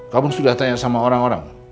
kamu sudah tanya sama orang orang